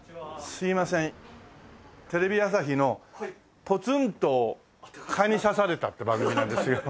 すいませんテレビ朝日の「ポツンと蚊に刺された」って番組なんですよ。